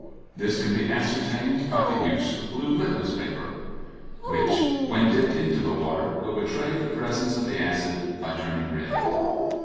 This can be ascertained by the use of blue litmus paper, which when dipped into the water will betray the presence of the acid by turning red.